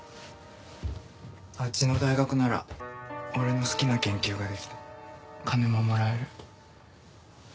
あっちの大学なら俺の好きな研究ができて金ももらえる。